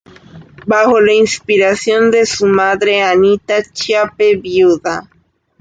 Bajo la inspiración de su madre, Anita Chiappe Vda.